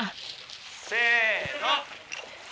せの！